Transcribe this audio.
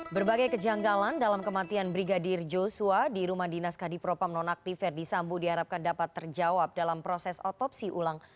berbagai kejanggalan dalam kematian brigadir joshua di rumah dinas kadipropam nonaktif verdi sambo diharapkan dapat terjawab dalam proses otopsi ulang